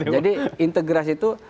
jadi integrasi itu